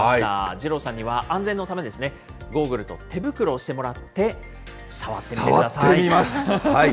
二郎さんには安全のためですね、ゴーグルと手袋をしてもらって、触ってみます。